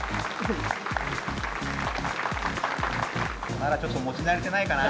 まだちょっと持ち慣れてないかな。